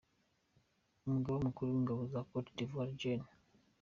Umugaba Mukuru w’Ingabo za Côte d’Ivoire, Gen.